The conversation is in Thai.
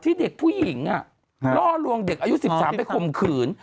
ที่เด็กผู้หญิงล่อลวงเด็กอายุ๑๓ไปข่มขืน